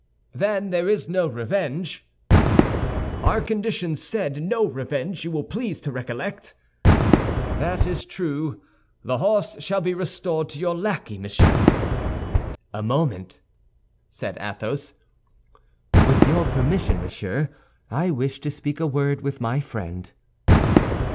"Then there is no revenge?" "Our conditions said, 'No revenge,' you will please to recollect." "That is true; the horse shall be restored to your lackey, monsieur." "A moment," said Athos; "with your permission, monsieur, I wish to speak a word with my friend."